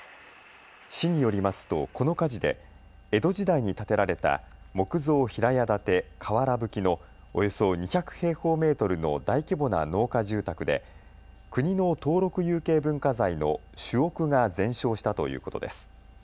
市によりますと、この火事で江戸時代に建てられた木造平屋建て瓦ぶきのおよそ２００平方メートルの大規模な農家住宅で国の登録有形文化財の主屋が全焼したということです。